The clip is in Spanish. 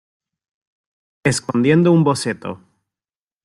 escondiendo un boceto.